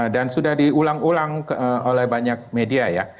dan sudah diulang ulang oleh banyak media ya